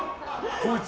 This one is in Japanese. こいつ。